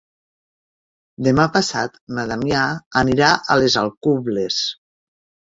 Demà passat na Damià anirà a les Alcubles.